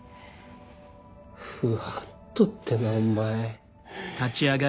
「ふわっと」ってなお前。